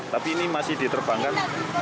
tapi ini masih diterbangkan